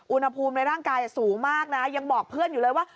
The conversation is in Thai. อุณหภูมิในร่างกายสูงมากนะยังบอกเพื่อนอยู่เลยว่า